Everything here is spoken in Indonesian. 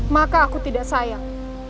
maka aku tidak sayang